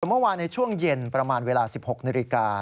เมื่อวานในช่วงเย็นประมาณเวลา๑๖นาฬิกา